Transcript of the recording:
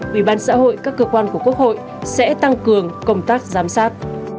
ủy ban xã hội các cơ quan của quốc hội sẽ tăng cường công tác giám sát